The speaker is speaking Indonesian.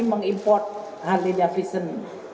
dia mungkin mengimport harley davidson